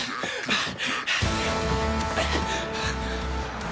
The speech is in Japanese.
あっ！